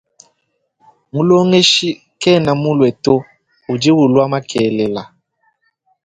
Mulongeshi kena mulue to udi ulua makelela.